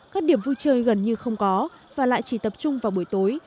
các điểm vui chơi gần như không có và lại chỉ tập trung vào buổi tối